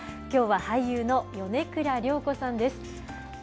きょうは俳優の米倉涼子さんです。